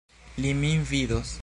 Li min vidos!